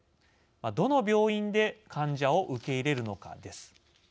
どの病院で患者を受け入れるのかです。